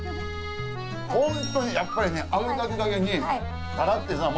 本当にやっぱりね揚げたてだけにふわって。